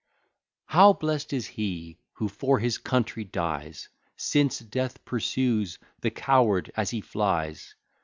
B._ How blest is he who for his country dies, Since death pursues the coward as he flies!